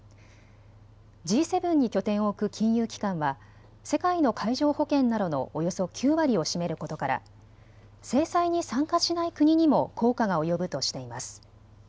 Ｇ７に拠点を置く金融機関は世界の海上保険などのおよそ９割を占めることから制裁に参加しない国にも効果が及ぶとしています。